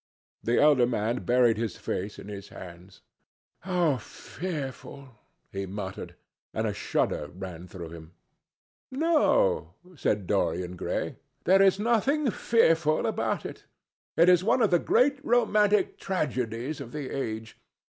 The elder man buried his face in his hands. "How fearful," he muttered, and a shudder ran through him. "No," said Dorian Gray, "there is nothing fearful about it. It is one of the great romantic tragedies of the age.